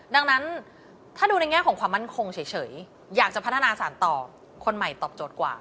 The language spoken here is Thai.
ดังนั้นถ้าดูในแง่ของความมั่นคงเฉยอยากจะพัฒนาสารต่อคนใหม่ตอบโจทย์กว่า